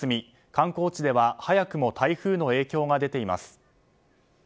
観光地では早くも台風の影響が出ています。